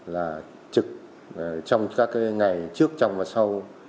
là trực trong các ngày trước trong và sau